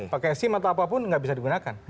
pakai sim atau apapun nggak bisa digunakan